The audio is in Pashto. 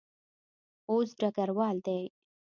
اوس ډګروال دی.